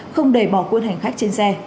không để bỏ quân hành khách trên xe